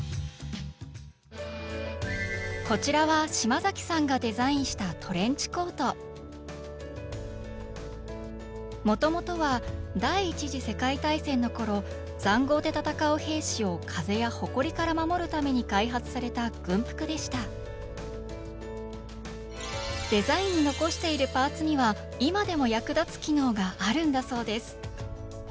こちらはもともとは第１次世界大戦のころざんごうで戦う兵士を風やほこりから守るために開発された軍服でしたデザインに残しているパーツには今でも役立つ機能があるんだそうです。